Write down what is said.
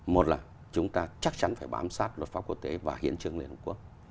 một là chúng ta chắc chắn phải bám sát luật pháp quốc tế và hiến chương liên hợp quốc